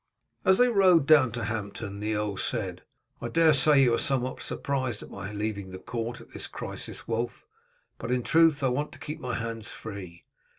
As they rode down to Hampton the earl said, "I dare say you are somewhat surprised at my leaving the court at this crisis, Wulf, but in truth I want to keep my hands free.